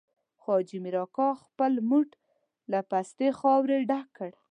خو حاجي مير اکا خپل موټ له پستې خاورې ډک کړ.